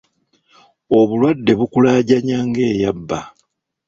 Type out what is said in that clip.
Obulwadde bukulaajanya ng’eyabba.